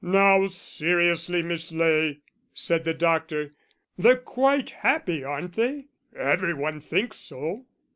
"Now, seriously, Miss Ley," said the doctor, "they're quite happy, aren't they? Every one thinks so."